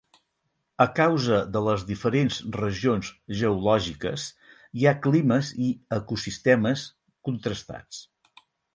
A causa de les diferents regions geològiques, hi ha climes i ecosistemes contrastats.